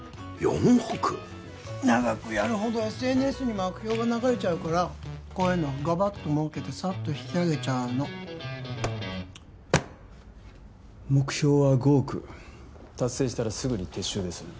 長くやるほどＳＮＳにも悪評が流れちゃうからこういうのはガバッともうけてさっと引きあげちゃうの目標は５億達成したらすぐに撤収です